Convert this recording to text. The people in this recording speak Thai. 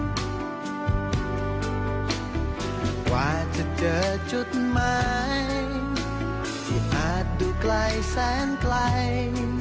กว่าจะเจอจุดใหม่ที่อาจดูไกลแสนไกล